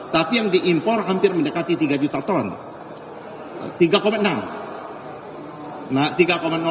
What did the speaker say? tapi yang diimpor hampir mendekati tiga juta ton